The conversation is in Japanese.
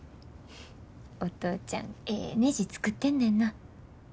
お父ちゃんええねじ作ってんねんな。